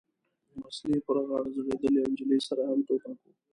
وسلې یې پر غاړه ځړېدې او نجلۍ سره هم ټوپک و.